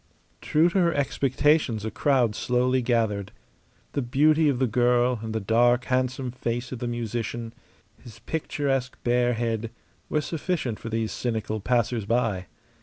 True to her expectations a crowd slowly gathered. The beauty of the girl and the dark, handsome face of the musician, his picturesque bare head, were sufficient for these cynical passers by.